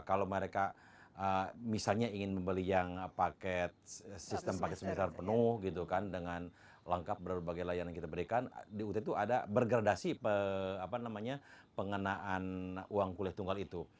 kalau mereka misalnya ingin membeli yang paket sistem paket semester penuh gitu kan dengan lengkap berbagai layanan kita berikan di ut itu ada bergradasi pengenaan uang kuliah tunggal itu